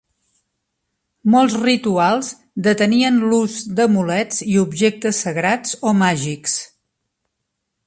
Molts rituals detenien l'ús d'amulets i objectes sagrats o màgics.